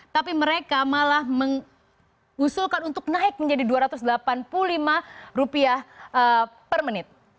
tapi mereka malah mengusulkan untuk naik menjadi rp dua ratus delapan puluh lima per menit